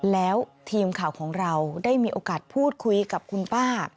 แล้วทีมข่าวของเราได้มีโอกาสพูดคุยกับคุณป้า